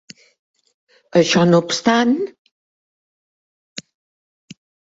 Això no obstant.